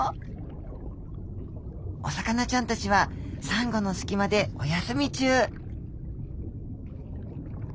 お魚ちゃんたちはサンゴの隙間でお休み中。